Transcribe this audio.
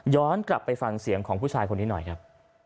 กลับไปฟังเสียงของผู้ชายคนนี้หน่อยครับ